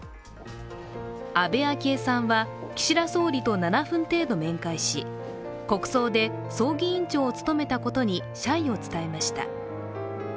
安倍昭恵さんは、岸田総理と７分程度面会し国葬で葬儀委員長を務めたことに謝意を伝えました。